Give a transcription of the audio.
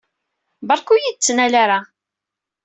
Beṛka ur iyi-d-ttnal ara.